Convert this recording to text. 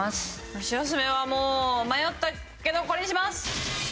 ハシヤスメはもう迷ったけどこれにします！